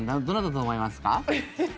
どなただと思いますか？